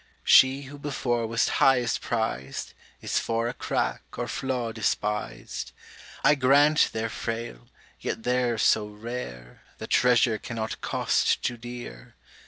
She who before was highest priz'd, Is for a crack or flaw despis'd; I grant they're frail, yet they're so rare, The treasure cannot cost too dear!